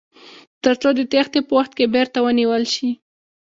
تر څو د تیښتې په وخت کې بیرته ونیول شي.